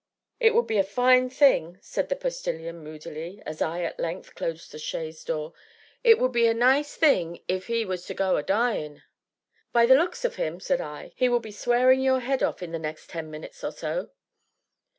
"It would be a fine thing," said the Postilion moodily, as I, at length, closed the chaise door, "it would be a nice thing if 'e was to go a dying." "By the looks of him," said I, "he will be swearing your head off in the next ten minutes or so."